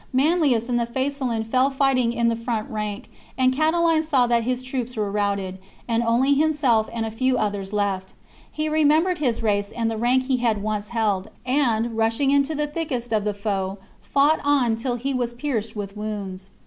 Manlius and the Faesulan fell fighting in the front rank, and Catiline saw that his troops were routed, and only himself and a few others left. He remem bered his race and the rank he had once held, and, rushing into the thickest of the foe, fought on till he was pierced with wounds. CHAP.